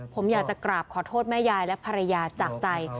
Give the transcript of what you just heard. ผมอยากจะกราบขอโทษแม่ยายและภรรยาจากใจ